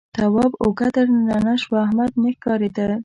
تواب اوږه درنه شوه احمد نه ښکارېده.